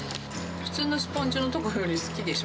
普通のスポンジのとこより好きでしょ。